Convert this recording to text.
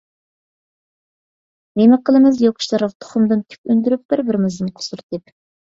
نېمە قىلىمىز يوق ئىشلارغا تۇخۇمدىن تۈك ئۈندۈرۈپ، بىر-بىرىمىزدىن قۇسۇر تېپىپ؟